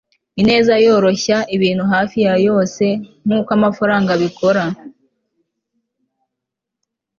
ineza yoroshya ibintu hafi ya yose nkuko amafaranga abikora